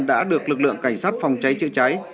đã được lực lượng cảnh sát phòng cháy chữa cháy